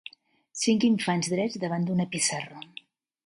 Cinc infants drets davant d'una pissarra.